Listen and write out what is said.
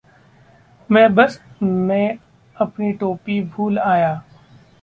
मैं बस में अपनी टोपी भूल आया।